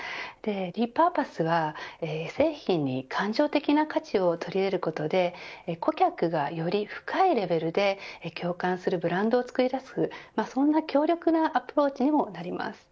リ・パーパスは製品に感情的な価値を取り入れることで顧客が、より深いレベルで共感するブランドを作り出すそんな強力なアプローチにもなります。